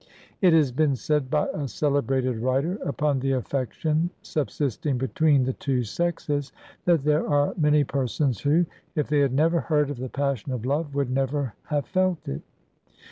It has been said by a celebrated writer, upon the affection subsisting between the two sexes, "that there are many persons who, if they had never heard of the passion of love, would never have felt it."